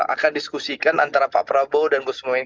akan diskusikan antara pak prabowo dan gus mohaimin